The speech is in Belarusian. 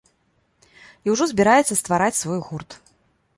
І ўжо збіраецца ствараць свой гурт.